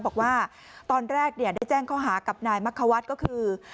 บอกว่าตอนแรกเนี้ยได้แจ้งข้อหากับนายมะเขาวัดก็คือ